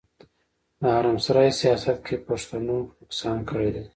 د حرم سرای سياست کې پښتنو نقصان کړی دی.